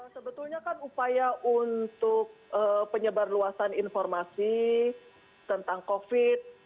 sebetulnya kan upaya untuk penyebar luasan informasi tentang covid